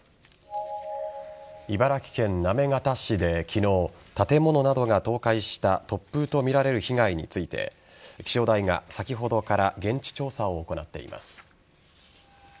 茨城県行方市で昨日建物などが倒壊した突風とみられる被害について気象台が先ほどから現地調査を行っています。